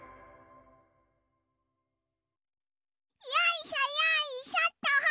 よいしょよいしょっと。